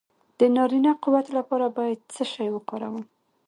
د نارینه قوت لپاره باید څه شی وکاروم؟